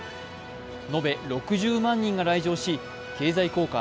延べ６０万人が来場し経済効果